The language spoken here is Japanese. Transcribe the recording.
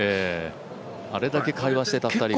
あれだけ会話してた２人が。